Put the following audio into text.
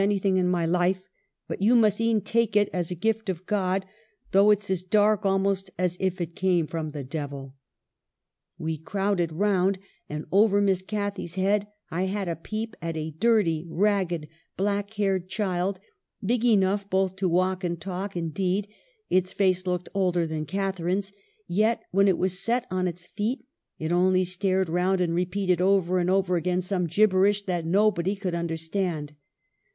anything in my life : but you must e'en take it as a gift of God ; though it's as dark almost as if it came from the devil.' " We crowded round, and over Miss Cathy's head I had a peep at a dirty, ragged, black haired child ; big enough both to walk and talk ; in deed, its face looked older than Catharine's ; yet, when it was set on its feet, it only stared round and repeated over and over again some gibberish that nobody could understand.